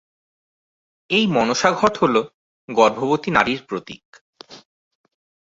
এই মনসা ঘট হলো গর্ভবতী নারীর প্রতীক।